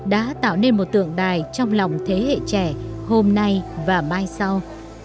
đã tạo nên một tượng đài trong lòng thế hệ trẻ hôm nay và mai sau